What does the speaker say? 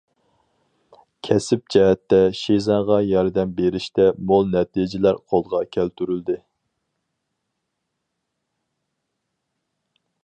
—— كەسىپ جەھەتتە شىزاڭغا ياردەم بېرىشتە مول نەتىجىلەر قولغا كەلتۈرۈلدى.